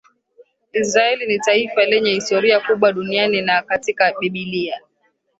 Israel ni taifa lenye historia kubwa duniani na katika biblia